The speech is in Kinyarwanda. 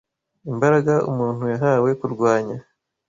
Imbaraga umuntu yahawe kurwanya